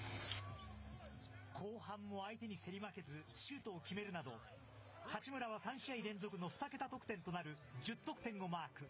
後半も相手に競り負けず、シュートを決めるなど、八村は３試合連続の２桁得点となる１０得点をマーク。